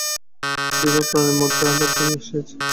বিভার প্রাণের মধ্যে আঁধার করিয়া আসিয়াছে।